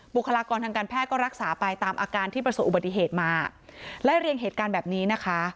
บุคลากรทางการแพทย์ก็รักษาไปตามอาการที่ประสบอุบัติเหตุมาไล่เรียงเหตุการณ์แบบนี้นะคะ